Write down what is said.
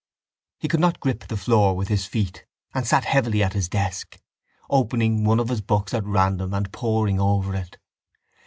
He could not grip the floor with his feet and sat heavily at his desk, opening one of his books at random and poring over it.